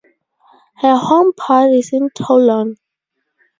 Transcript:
Her homeport is in Toulon.